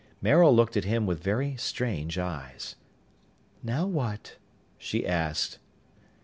Maril looked at him with very strange eyes. "Now what?" she asked.